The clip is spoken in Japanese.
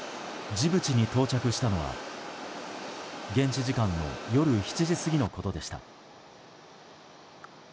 ジブチに到着したのは現地時間の夜７時過ぎのことでした。